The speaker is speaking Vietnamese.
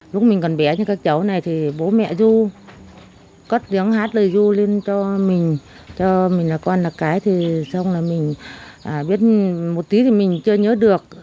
lúc mình còn bé như các cháu này thì bố mẹ ru cất tiếng hát lời ru lên cho mình cho mình là con là cái thì xong là mình biết một tí thì mình chưa nhớ được